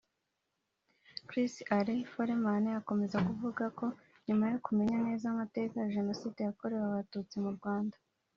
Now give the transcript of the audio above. Chris Alan Foreman akomeza avuga ko nyuma yo kumenya neza amateka ya Jenoside yakorewe Abatutsi mu Rwanda